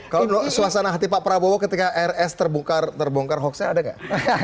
kalau suasana hati pak prabowo ketika rs terbongkar hoaxnya ada nggak